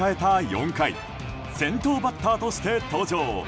４回先頭バッターとして登場。